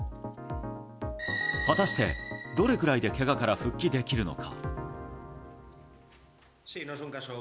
果たして、どれくらいでけがから復帰できるのか。